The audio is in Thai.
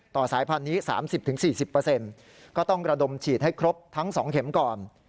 สายพันธุ์นี้๓๐๔๐ก็ต้องระดมฉีดให้ครบทั้ง๒เข็มก่อน